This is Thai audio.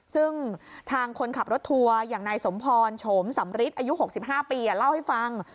ซึ่งทางคนขับรถทัวร์อย่างนายสมพรโฉมสำริทอายุ๖๕ปีเล่าให้ฟัง